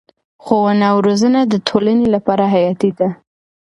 ښوونه او روزنه د ټولنې لپاره حیاتي ده.